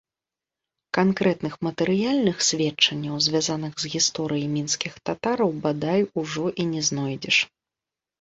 Канкрэтных матэрыяльных сведчанняў, звязаных з гісторыяй мінскіх татараў, бадай, ужо і не знойдзеш.